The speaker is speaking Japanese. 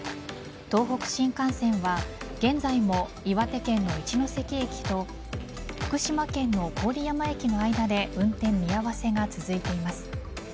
東北新幹線は現在も岩手県の一ノ関駅と福島県の郡山駅の間で運転見合わせが続いています。